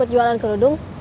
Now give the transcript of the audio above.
orang dalam praksis are way